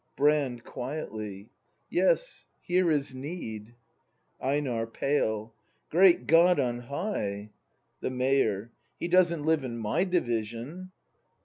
Brand. [Quietly.] Yes, here is need. EiNAB. [Pale.] Great God on high! *o' The Mayor. He doesn't live in my Division.